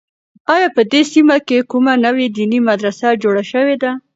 آیا په دې سیمه کې کومه نوې دیني مدرسه جوړه شوې ده؟